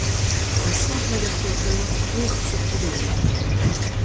Un simple adaptateur résout ce problème.